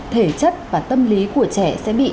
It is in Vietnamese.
thể chất và tâm lý của trẻ sẽ bị